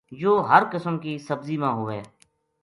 یوہ ہر قسم کی سبزی ما ہووے۔